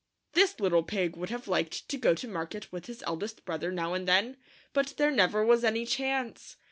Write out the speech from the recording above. This little pig would have liked to go to market with his eldest brother now and then, but there never was any chance.